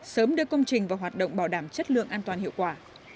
sớm đưa công trình vào hoạt động bảo đảm chất lượng an toàn hiệu quả